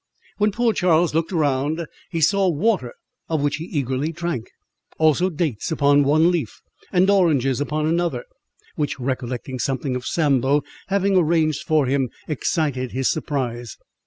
When poor Charles looked round, he saw water, of which he eagerly drank, also dates upon one leaf, and oranges upon another, which, recollecting something of Sambo having arranged for him, excited his surprise.